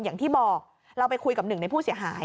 อย่างที่บอกเราไปคุยกับหนึ่งในผู้เสียหาย